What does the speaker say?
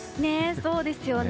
そうですよね。